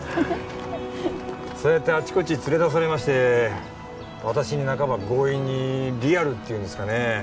そうやってあっちこっち連れ出されまして私に半ば強引にリアルっていうんですかね